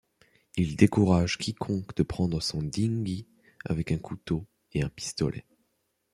Il décourage quiconque de prendre son dinghy avec un couteau et un pistolet.